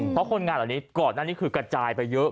เพราะคนงานเหล่านี้ก่อนหน้านี้คือกระจายไปเยอะ